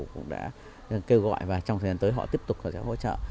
cũng đã kêu gọi và trong thời gian tới họ tiếp tục sẽ hỗ trợ